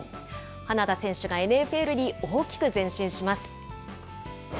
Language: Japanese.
花田選手がＮＦＬに大きく前進します。